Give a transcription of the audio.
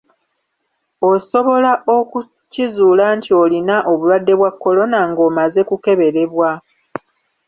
Osobala okukizuula nti olina obulwadde bwa kolona nga omaze kukeberebwa